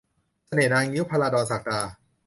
เสน่ห์นางงิ้ว - ภราดร ศักดา